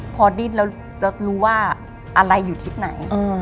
พอดิ้นแล้วรู้ว่าอะไรอยู่ทิศไหน